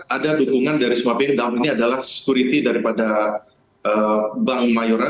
ada dukungan dari semua pihak dalam hal ini adalah sekuriti daripada bank mayura